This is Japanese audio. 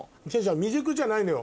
未熟じゃないのよ。